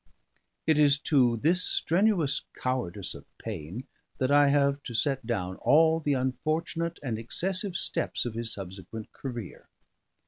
It is to this strenuous cowardice of pain that I have to set down all the unfortunate and excessive steps of his subsequent career.